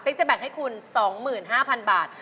เป๊กจะแบกให้คุณ๒๕๐๐๐บาท